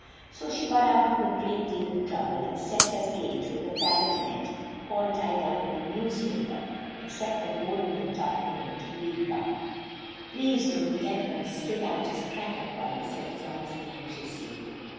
"So she got out with a great deal of trouble, and set her cage, with the parrot in it, all tied up in a newspaper, except a hole in the top for him to breathe by" "Please don't let them spill out his cracker, Polly," said Phronsie anxiously.